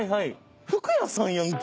服屋さんやんけ。